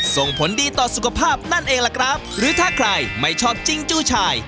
ส่งผลดีต่อสุขภาพนั่นเองล่ะครับหรือถ้าใครไม่ชอบจิงจู้ชาย